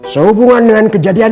sehubungan dengan kejadian